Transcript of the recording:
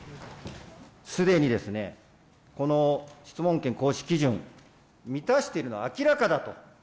すでに、この質問権行使基準、満たしているのは明らかだと。